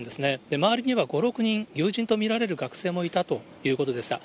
周りには５、６人、友人と見られる学生もいたということでした。